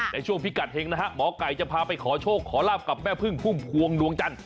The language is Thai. ช่วงพิกัดเฮงนะฮะหมอไก่จะพาไปขอโชคขอลาบกับแม่พึ่งพุ่มพวงดวงจันทร์